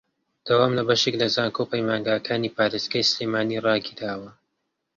دەوام لە بەشێک لە زانکۆ و پەیمانگاکانی پارێزگای سلێمانی ڕاگیراوە